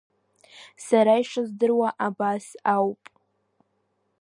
Са ишыздыруа абас ауп.